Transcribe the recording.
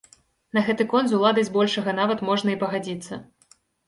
На гэты конт з уладай збольшага нават можна і пагадзіцца.